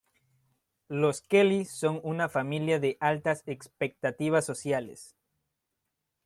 Los Kelly son una familia de altas expectativas sociales.